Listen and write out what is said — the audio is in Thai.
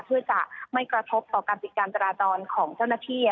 เพื่อจะไม่กระทบต่อการปิดการจราจรของเจ้าหน้าที่